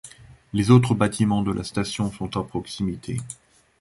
Les autres bâtiments de la station sont à proximité.